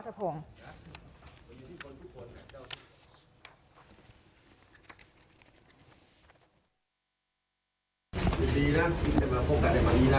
ดีนะพวกกันในวันนี้นะ